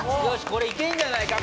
これいけんじゃないか？